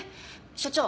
所長